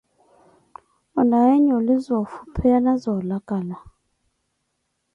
Onaaye nyuuli zoofupheya na zoolakala.